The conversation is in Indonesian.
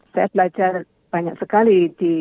saya belajar banyak sekali